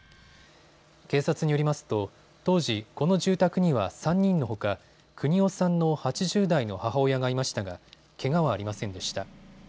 警察によりますと当時、この住宅には３人のほか邦雄さんの８０代の母親がいましたがけがはありませんでした。